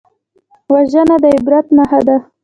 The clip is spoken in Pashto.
وژنه د عبرت نښه ده